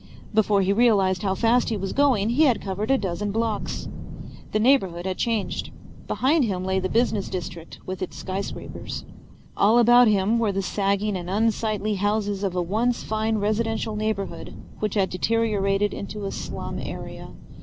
Before he realized how fast he was going he had covered a dozen blocks. The neighborhood had changed. Behind him lay the business district with its skyscrapers. All about him were the sagging and unsightly houses of a once fine residential neighborhood which had deteriorated into a slum area.